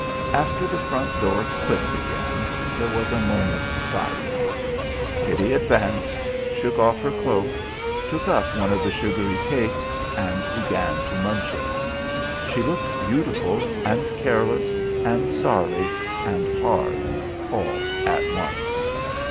After the front door clicked again there was a moment's silence. Kitty advanced, shook off her cloak, took up one of the sugary cakes, and began to munch it. She looked beautiful and careless and sorry and hard all at once.